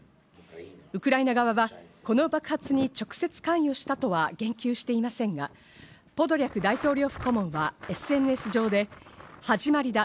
ウクライナ側は、この爆発に直接関与したとは言及していませんが、ポドリャク大統領府顧問はＳＮＳ上で、始まりだ。